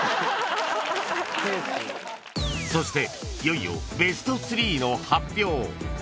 ［そしていよいよベスト３の発表］